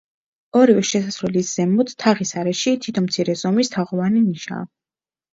ორივე შესასვლელის ზემოთ, თაღის არეში, თითო მცირე ზომის, თაღოვანი ნიშაა.